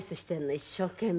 一生懸命。